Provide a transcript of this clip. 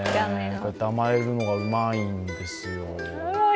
甘えるのがうまいんですよ。